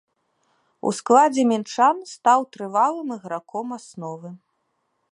У складзе мінчан стаў трывалым іграком асновы.